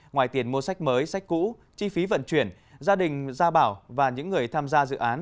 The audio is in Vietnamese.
ngoài tiền mua sách mới sách cũ chi phí vận chuyển gia đình gia bảo và những người tham gia dự án